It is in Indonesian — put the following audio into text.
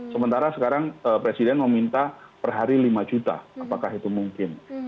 sementara sekarang presiden meminta per hari lima juta apakah itu mungkin